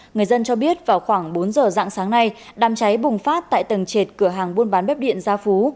người dân cho biết vào khoảng bốn giờ dạng sáng nay đám cháy bùng phát tại tầng trệt cửa hàng buôn bán bếp điện gia phú